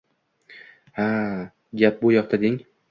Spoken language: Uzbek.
Ha, gap bu yoqda deng